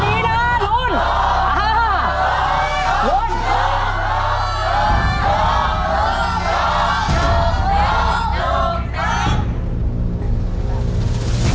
กรุง